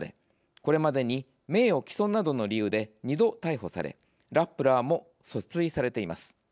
これまでに名誉毀損などの理由で２度逮捕され、「ラップラー」も訴追されています。